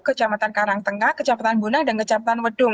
kecamatan karangtengah kecamatan bunang dan kecamatan wedung